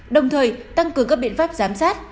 đồng thời tăng cường các biện pháp giám sát